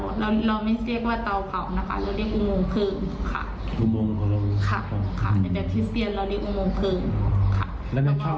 เราเราไม่เรียกว่าเตาเผานะคะเราเรียกอุโมงพลึงค่ะอุโมงของเรา